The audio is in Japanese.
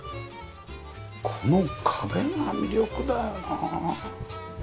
この壁が魅力だよな。